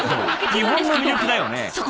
日本の魅力だよね？